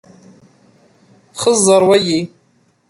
Xeẓẓeṛ wayi.